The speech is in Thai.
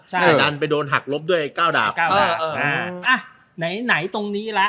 ใช่ดันไปโดนหักลบด้วยเก้าดาบเก้าดาบอ่าอ่ะไหนไหนตรงนี้ละ